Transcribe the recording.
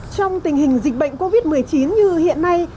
trong tình hình dịch bệnh covid một mươi chín như hiện nay